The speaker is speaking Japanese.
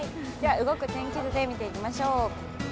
動く天気図で見ていきましょう。